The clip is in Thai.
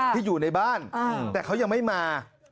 ที่อยู่ในบ้านแต่เขายังไม่มา